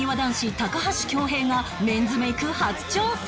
高橋恭平がメンズメイク初挑戦！